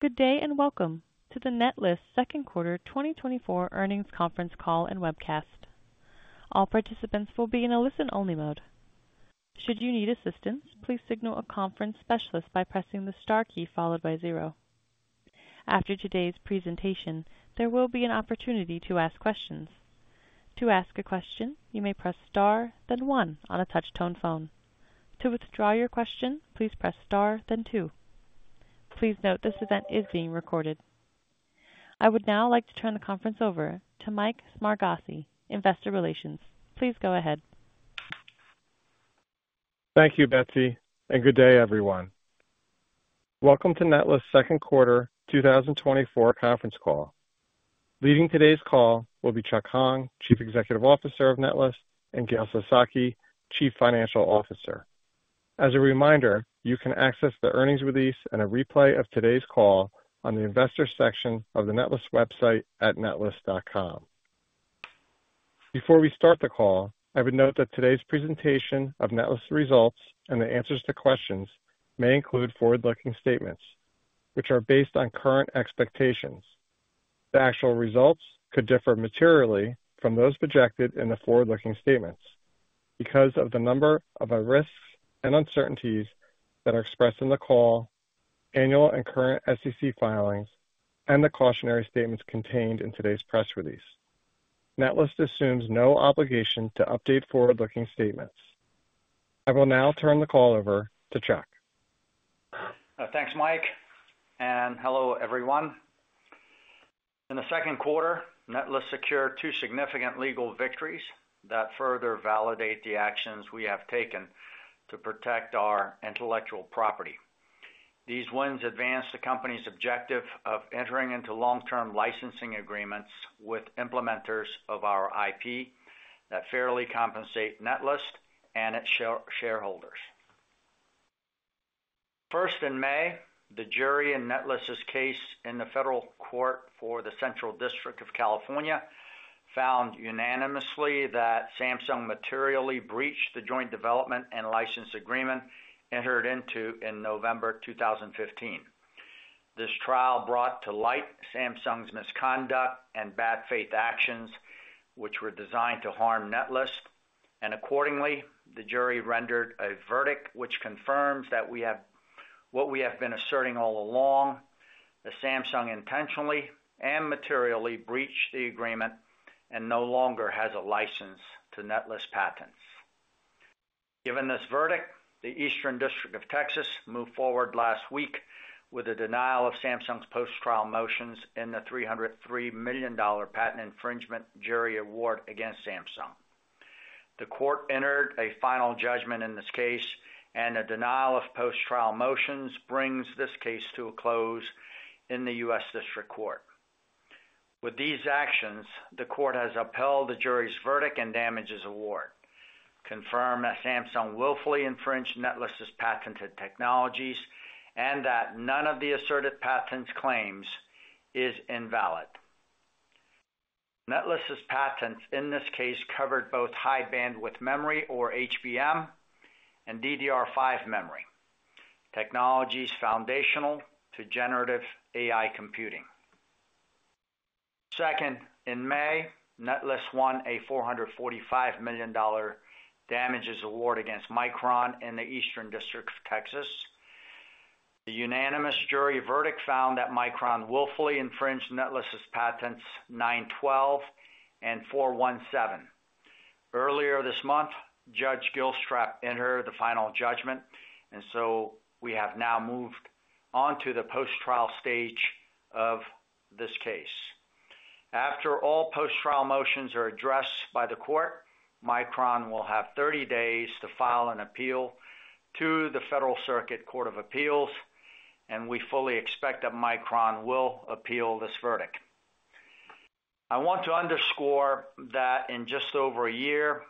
Good day and welcome to the Netlist second quarter 2024 earnings conference call and webcast. All participants will be in a listen-only mode. Should you need assistance, please signal a conference specialist by pressing the star key followed by zero. After today's presentation, there will be an opportunity to ask questions. To ask a question, you may press star, then one on a touch-tone phone. To withdraw your question, please press star, then two. Please note this event is being recorded. I would now like to turn the conference over to Mike Smargiassi, Investor Relations. Please go ahead. Thank you, Betsy, and good day, everyone. Welcome to Netlist second quarter 2024 conference call. Leading today's call will be Chuck Hong, Chief Executive Officer of Netlist, and Gail Sasaki, Chief Financial Officer. As a reminder, you can access the earnings release and a replay of today's call on the Investor section of the Netlist website at netlist.com. Before we start the call, I would note that today's presentation of Netlist results and the answers to questions may include forward-looking statements, which are based on current expectations. The actual results could differ materially from those projected in the forward-looking statements because of the number of risks and uncertainties that are expressed in the call, annual and current SEC filings, and the cautionary statements contained in today's press release. Netlist assumes no obligation to update forward-looking statements. I will now turn the call over to Chuck. Thanks, Mike, and hello, everyone. In the second quarter, Netlist secured two significant legal victories that further validate the actions we have taken to protect our intellectual property. These wins advance the company's objective of entering into long-term licensing agreements with implementers of our IP that fairly compensate Netlist and its shareholders. First, in May, the jury in Netlist's case in the federal court for the Central District of California found unanimously that Samsung materially breached the joint development and license agreement entered into in November 2015. This trial brought to light Samsung's misconduct and bad faith actions, which were designed to harm Netlist, and accordingly, the jury rendered a verdict which confirms that what we have been asserting all along, that Samsung intentionally and materially breached the agreement and no longer has a license to Netlist patents. Given this verdict, the Eastern District of Texas moved forward last week with a denial of Samsung's post-trial motions in the $303 million patent infringement jury award against Samsung. The court entered a final judgment in this case, and a denial of post-trial motions brings this case to a close in the U.S. District Court. With these actions, the court has upheld the jury's verdict and damages award, confirming that Samsung willfully infringed Netlist's patented technologies and that none of the asserted patent claims is invalid. Netlist's patents in this case covered both high-bandwidth memory, or HBM, and DDR5 memory, technologies foundational to generative AI computing. Second, in May, Netlist won a $445 million damages award against Micron in the Eastern District of Texas. The unanimous jury verdict found that Micron willfully infringed Netlist's patents 912 and 417. Earlier this month, Judge Gilstrap entered the final judgment, and so we have now moved on to the post-trial stage of this case. After all post-trial motions are addressed by the court, Micron will have 30 days to file an appeal to the Federal Circuit Court of Appeals, and we fully expect that Micron will appeal this verdict. I want to underscore that in just over a year,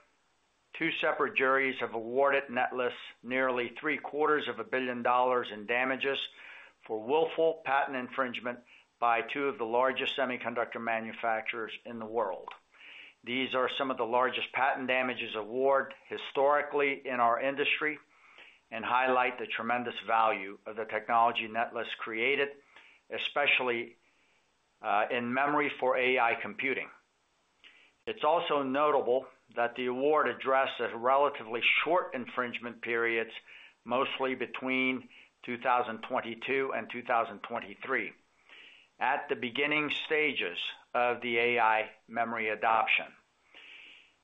two separate juries have awarded Netlist nearly $750 million in damages for willful patent infringement by two of the largest semiconductor manufacturers in the world. These are some of the largest patent damages awards historically in our industry and highlight the tremendous value of the technology Netlist created, especially in memory for AI computing. It's also notable that the award addressed relatively short infringement periods, mostly between 2022 and 2023, at the beginning stages of the AI memory adoption.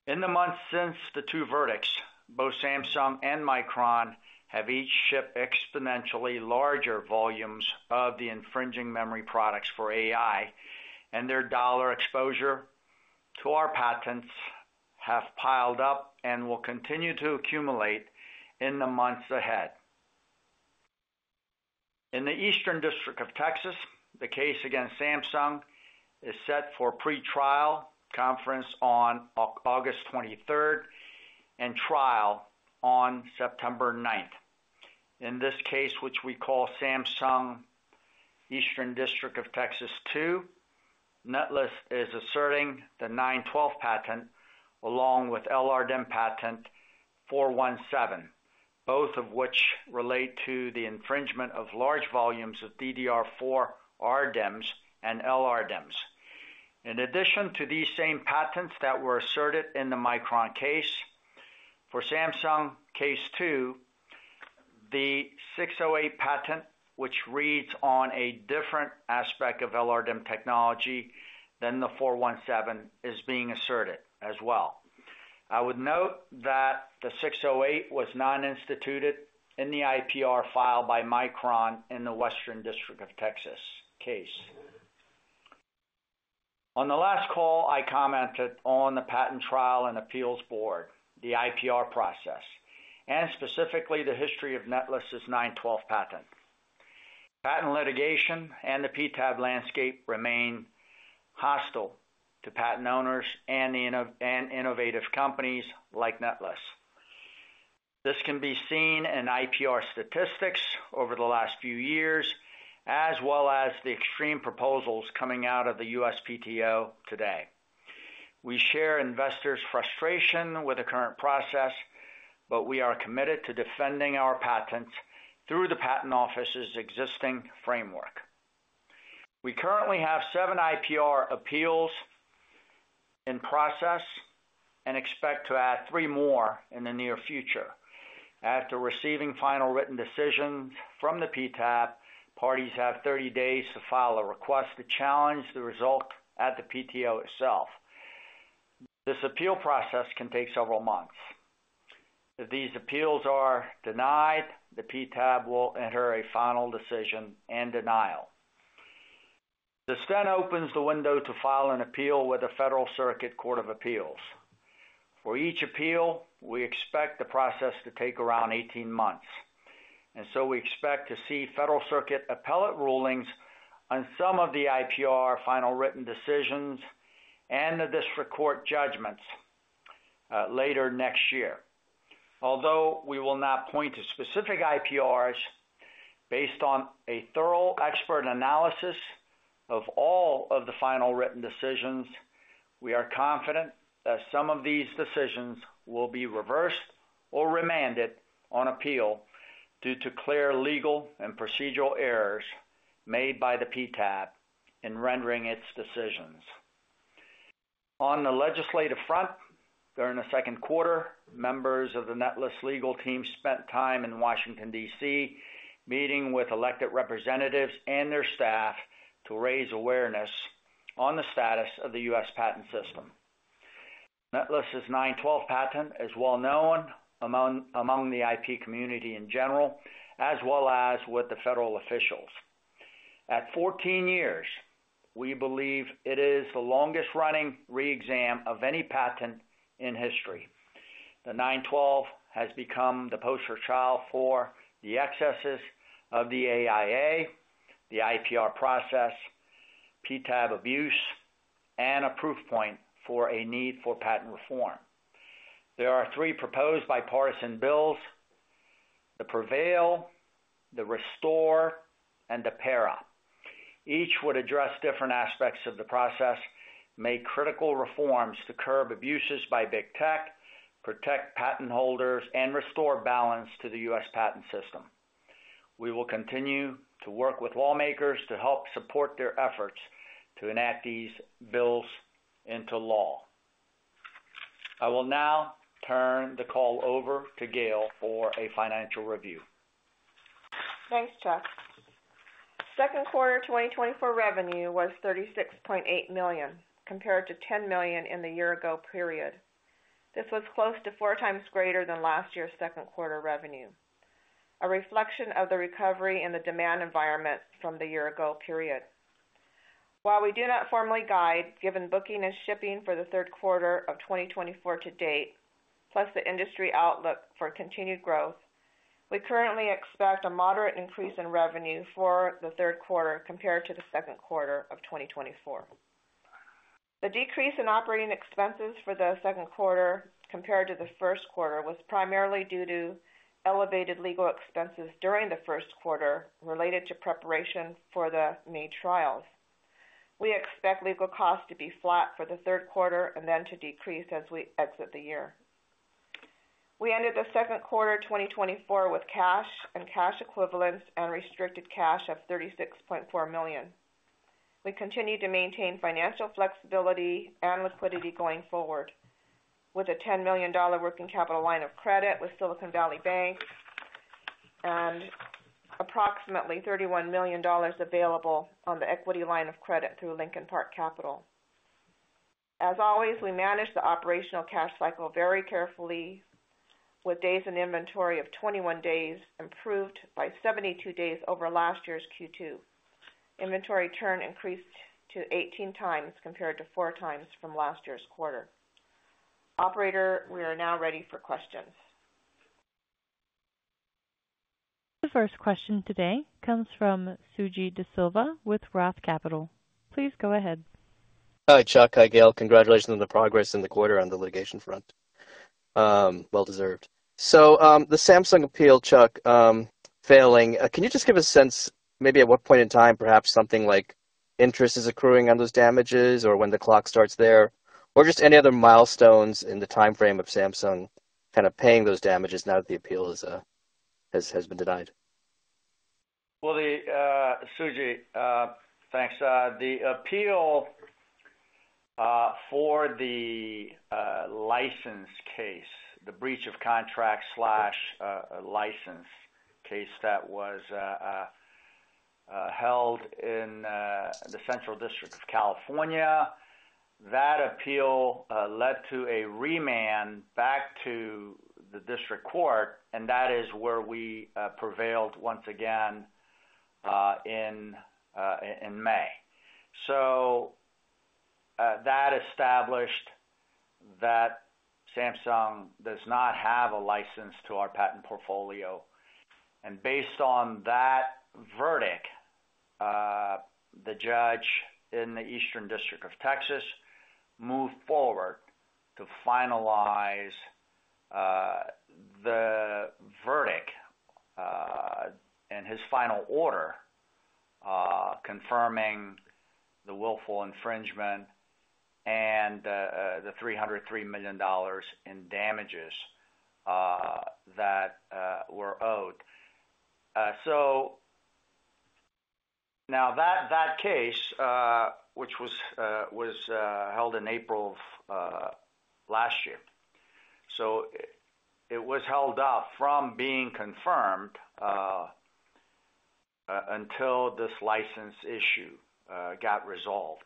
In the months since the two verdicts, both Samsung and Micron have each shipped exponentially larger volumes of the infringing memory products for AI, and their dollar exposure to our patents has piled up and will continue to accumulate in the months ahead. In the Eastern District of Texas, the case against Samsung is set for pretrial conference on August 23rd and trial on September 9th. In this case, which we call Samsung Eastern District of Texas 2, Netlist is asserting the 912 patent along with LRDIMM patent 417, both of which relate to the infringement of large volumes of DDR4 RDIMMs and LRDIMMs. In addition to these same patents that were asserted in the Micron case, for Samsung case 2, the 608 patent, which reads on a different aspect of LRDIMM technology than the 417, is being asserted as well. I would note that the 608 was non-instituted in the IPR file by Micron in the Western District of Texas case. On the last call, I commented on the Patent Trial and Appeal Board, the IPR process, and specifically the history of Netlist's 912 patent. Patent litigation and the PTAB landscape remain hostile to patent owners and innovative companies like Netlist. This can be seen in IPR statistics over the last few years, as well as the extreme proposals coming out of the USPTO today. We share investors' frustration with the current process, but we are committed to defending our patents through the patent office's existing framework. We currently have seven IPR appeals in process and expect to add three more in the near future. After receiving final written decisions from the PTAB, parties have 30 days to file a request to challenge the result at the PTO itself. This appeal process can take several months. If these appeals are denied, the PTAB will enter a final decision and denial. Then it opens the window to file an appeal with the Federal Circuit Court of Appeals. For each appeal, we expect the process to take around 18 months, and so we expect to see Federal Circuit appellate rulings on some of the IPR final written decisions and the district court judgments later next year. Although we will not point to specific IPRs, based on a thorough expert analysis of all of the final written decisions, we are confident that some of these decisions will be reversed or remanded on appeal due to clear legal and procedural errors made by the PTAB in rendering its decisions. On the legislative front, during the second quarter, members of the Netlist legal team spent time in Washington, D.C., meeting with elected representatives and their staff to raise awareness on the status of the U.S. patent system. Netlist's 912 patent is well known among the IP community in general, as well as with the federal officials. At 14 years, we believe it is the longest-running re-exam of any patent in history. The 912 has become the poster child for the excesses of the AIA, the IPR process, PTAB abuse, and a proof point for a need for patent reform. There are three proposed bipartisan bills: the PREVAIL, the RESTORE, and the PERA. Each would address different aspects of the process, make critical reforms to curb abuses by big tech, protect patent holders, and restore balance to the U.S. patent system. We will continue to work with lawmakers to help support their efforts to enact these bills into law. I will now turn the call over to Gail for a financial review. Thanks, Chuck. Second quarter 2024 revenue was $36.8 million, compared to $10 million in the year-ago period. This was close to four times greater than last year's second quarter revenue, a reflection of the recovery in the demand environment from the year-ago period. While we do not formally guide, given booking and shipping for the third quarter of 2024 to date, plus the industry outlook for continued growth, we currently expect a moderate increase in revenue for the third quarter compared to the second quarter of 2024. The decrease in operating expenses for the second quarter compared to the first quarter was primarily due to elevated legal expenses during the first quarter related to preparation for the May trials. We expect legal costs to be flat for the third quarter and then to decrease as we exit the year. We ended the second quarter 2024 with cash and cash equivalents and restricted cash of $36.4 million. We continue to maintain financial flexibility and liquidity going forward with a $10 million working capital line of credit with Silicon Valley Bank and approximately $31 million available on the equity line of credit through Lincoln Park Capital. As always, we manage the operational cash cycle very carefully, with days in inventory of 21 days improved by 72 days over last year's Q2. Inventory turn increased to 18x compared to 4x from last year's quarter. Operator, we are now ready for questions. The first question today comes from Suji Desilva with Roth Capital. Please go ahead. Hi, Chuck. Hi, Gail. Congratulations on the progress in the quarter on the litigation front. Well-deserved. So the Samsung appeal, Chuck, failing, can you just give a sense maybe at what point in time, perhaps something like interest is accruing on those damages or when the clock starts there, or just any other milestones in the timeframe of Samsung kind of paying those damages now that the appeal has been denied? Well, Suji, thanks. The appeal for the license case, the breach of contract/license case that was held in the Central District of California, that appeal led to a remand back to the district court, and that is where we prevailed once again in May. So that established that Samsung does not have a license to our patent portfolio. And based on that verdict, the judge in the Eastern District of Texas moved forward to finalize the verdict and his final order confirming the willful infringement and the $303 million in damages that were owed. So now that case, which was held in April of last year, so it was held up from being confirmed until this license issue got resolved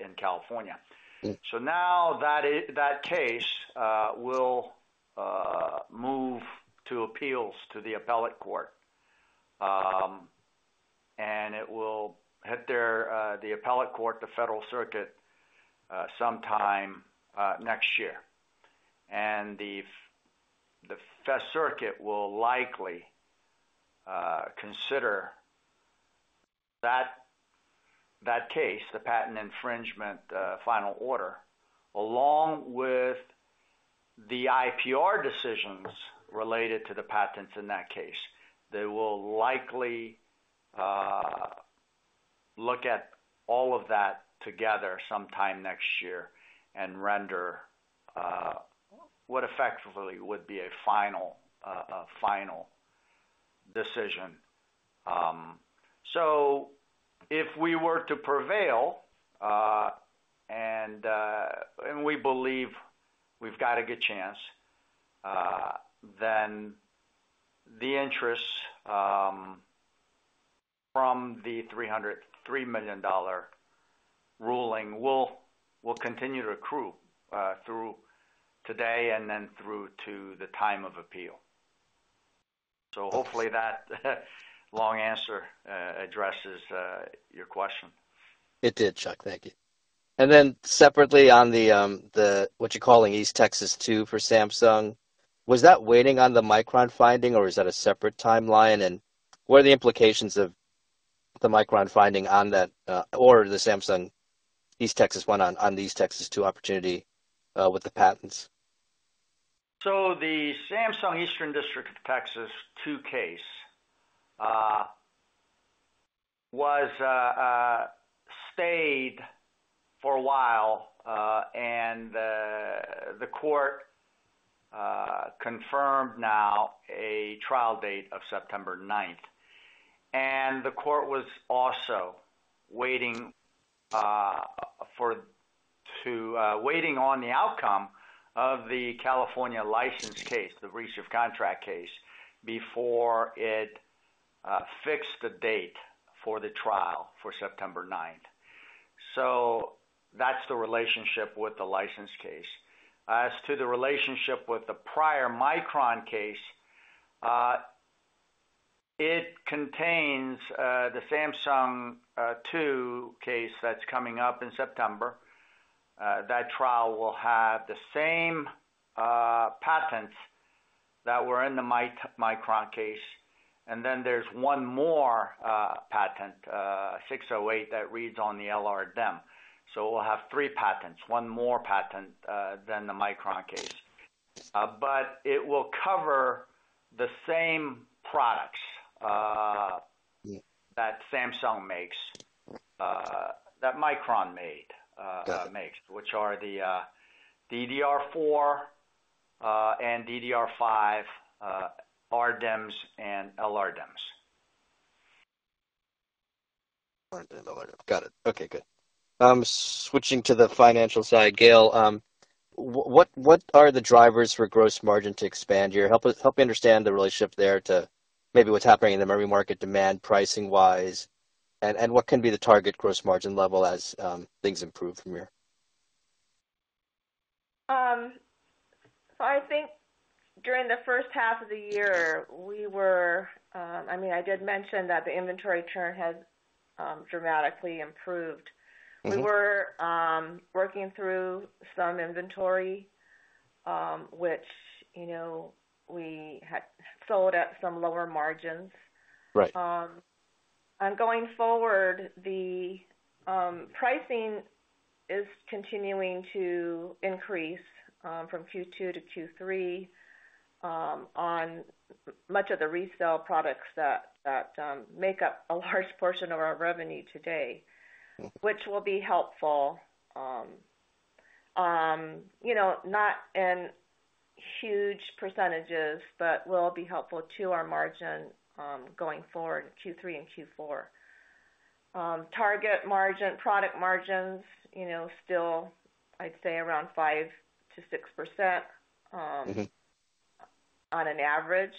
in California. So now that case will move to appeals to the appellate court, and it will hit the appellate court, the Federal Circuit, sometime next year. The Fifth Circuit will likely consider that case, the patent infringement final order, along with the IPR decisions related to the patents in that case. They will likely look at all of that together sometime next year and render what effectively would be a final decision. So if we were to PREVAIL, and we believe we've got a good chance, then the interest from the $303 million ruling will continue to accrue through today and then through to the time of appeal. So hopefully that long answer addresses your question. It did, Chuck. Thank you. And then separately on what you're calling East Texas 2 for Samsung, was that waiting on the Micron finding, or is that a separate timeline? And what are the implications of the Micron finding on that or the Samsung East Texas 1 on the East Texas 2 opportunity with the patents? So the Samsung Eastern District of Texas 2 case was stayed for a while, and the court confirmed now a trial date of September 9th. And the court was also waiting on the outcome of the California license case, the breach of contract case, before it fixed the date for the trial for September 9th. So that's the relationship with the license case. As to the relationship with the prior Micron case, it contains the Samsung 2 case that's coming up in September. That trial will have the same patents that were in the Micron case. And then there's one more patent, 608, that reads on the LRDIMM. So we'll have three patents, one more patent than the Micron case. But it will cover the same products that Samsung makes, that Micron makes, which are the DDR4 and DDR5 RDIMMs and LRDIMMs. Got it. Okay, good. Switching to the financial side, Gail, what are the drivers for gross margin to expand here? Help me understand the relationship there to maybe what's happening in the market demand pricing-wise, and what can be the target gross margin level as things improve from here? So I think during the first half of the year, we were, I mean, I did mention that the inventory turn has dramatically improved. We were working through some inventory, which we had sold at some lower margins. And going forward, the pricing is continuing to increase from Q2-Q3 on much of the resale products that make up a large portion of our revenue today, which will be helpful. Not in huge percentages, but will be helpful to our margin going forward, Q3 and Q4. Target margin, product margins, still, I'd say around 5%-6% on an average.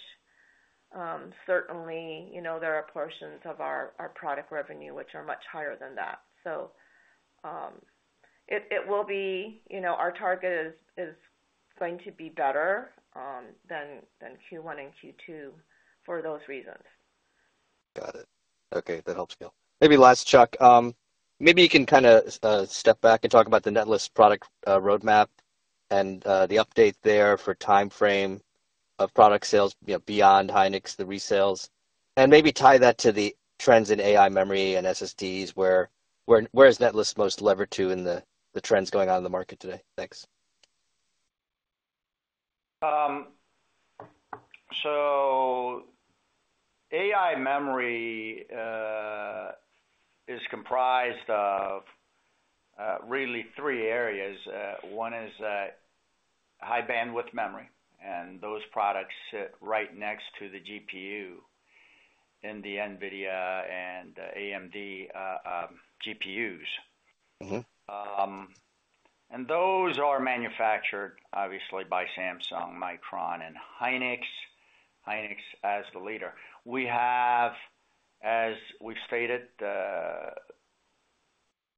Certainly, there are portions of our product revenue which are much higher than that. So it will be, our target is going to be better than Q1 and Q2 for those reasons. Got it. Okay. That helps, Gail. Maybe last, Chuck, maybe you can kind of step back and talk about the Netlist product roadmap and the update there for timeframe of product sales beyond Hynix, the resales, and maybe tie that to the trends in AI memory and SSDs. Where is Netlist most levered to in the trends going on in the market today? Thanks. So AI memory is comprised of really three areas. One is high bandwidth memory, and those products sit right next to the GPU in the NVIDIA and AMD GPUs. And those are manufactured, obviously, by Samsung, Micron, and Hynix, Hynix as the leader. We have, as we've stated,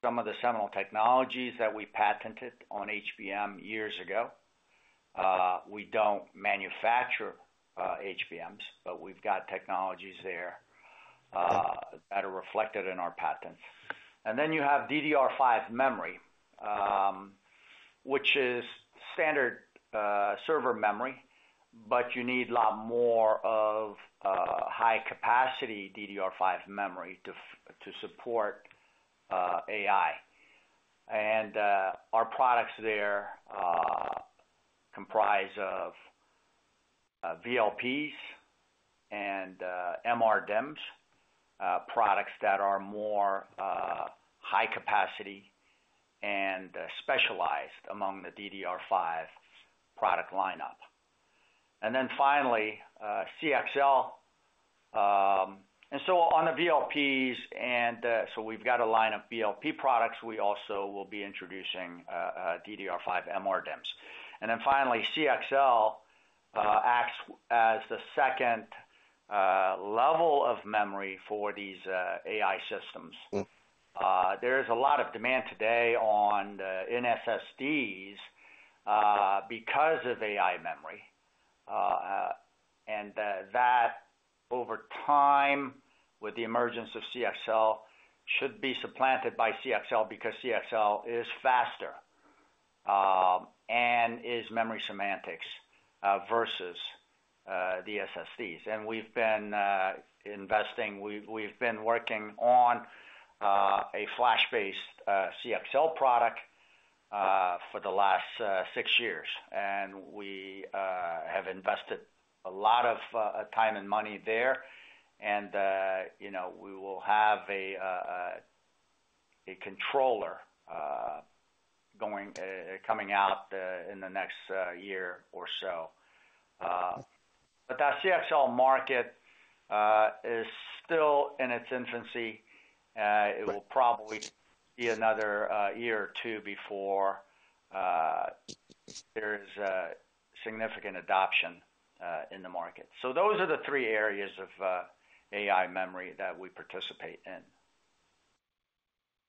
some of the seminal technologies that we patented on HBM years ago. We don't manufacture HBMs, but we've got technologies there that are reflected in our patents. And then you have DDR5 memory, which is standard server memory, but you need a lot more of high-capacity DDR5 memory to support AI. And our products there comprise of VLPs and MRDIMMs, products that are more high-capacity and specialized among the DDR5 product lineup. And then finally, CXL. And so on the VLPs, and so we've got a line of VLP products. We also will be introducing DDR5 MRDIMMs. And then finally, CXL acts as the second level of memory for these AI systems. There is a lot of demand today on the NSSDs because of AI memory. And that, over time, with the emergence of CXL, should be supplanted by CXL because CXL is faster and is memory semantics versus the SSDs. And we've been investing. We've been working on a flash-based CXL product for the last six years. And we have invested a lot of time and money there. And we will have a controller coming out in the next year or so. But that CXL market is still in its infancy. It will probably be another year or two before there is significant adoption in the market. So those are the three areas of AI memory that we participate in.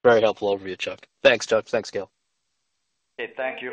Very helpful overview, Chuck. Thanks, Chuck. Thanks, Gail. Okay. Thank you.